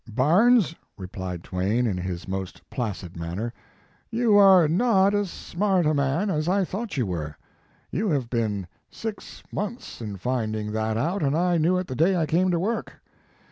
"Barnes," replied Twain, in his most placid manner, "you are not as smart a man as I thought you were. You have been six months in finding that out, and I knew it the day I came to work.